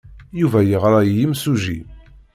Yuba yeɣra i yimsujji.